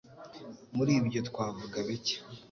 Muri ibyo twavuga bicye